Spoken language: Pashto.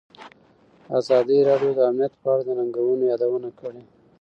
ازادي راډیو د امنیت په اړه د ننګونو یادونه کړې.